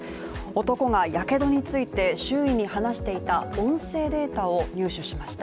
男がやけどについて周囲に話していた音声データを入手しました。